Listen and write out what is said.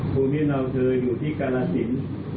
คุณพิมพ์เราเธออยู่ที่กาลสิน